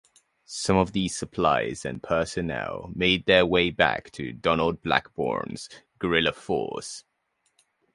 Some of those supplies and personnel made their way to Donald Blackburn's guerrilla force.